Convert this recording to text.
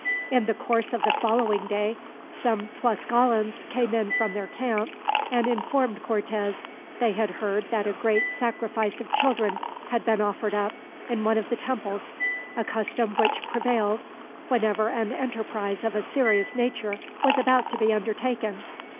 In the course of the following day some Tlascalans came in from their camp, and informed Cortez they had heard that a great sacrifice of children had been offered up, in one of the temples, a custom which prevailed whenever an enterprise of a serious nature was about to be undertaken.